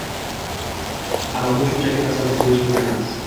Ammo bu shunchaki tasavvur, bo'lishi mumkin emas